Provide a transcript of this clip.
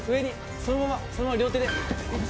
そのまま、そのまま両手で、いった。